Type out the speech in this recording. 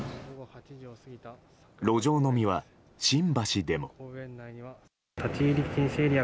路上飲みは新橋でも。